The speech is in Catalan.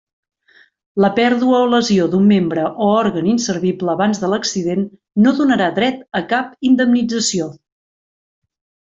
La pèrdua o lesió d'un membre o òrgan inservible abans de l'accident no donarà dret a cap indemnització.